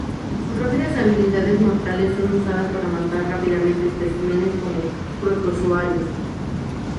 Sus rápidas habilidades mortales son usadas para matar rápidamente especímenes como protozoarios.